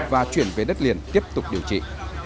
và chuyển về đất liền tiếp tục điều trị